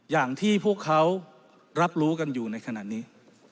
อย่างที่พวกเขารับรู้กันอยู่ในขณะนี้